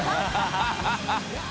ハハハ